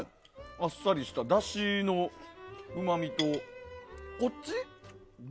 あっさりしただしのうまみと。